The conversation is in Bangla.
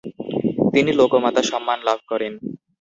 তিনি 'লোকমাতা' সম্মান লাভ করেন।